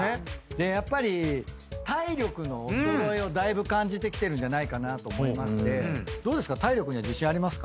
でやっぱり体力の衰えをだいぶ感じてきてるんじゃないかなと思いまして。